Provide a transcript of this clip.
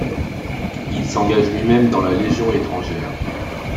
Il s'engage lui-même dans la légion étrangère.